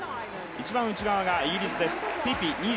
一番内側がイギリスです。